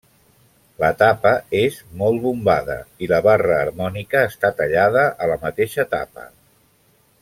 La tapa és molt bombada i la barra harmònica està tallada a la mateixa tapa.